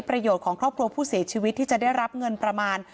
สินทรียโยชน์ของครอบครัวผู้เสียชีวิตที่จะได้รับเงินประมาณ